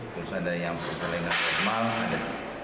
terus ada yang persalinan normal ada tiga